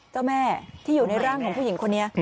เจ้าแม่ที่อยู่ในร่างของผู้หญิงคนนี้